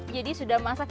jadi sudah masak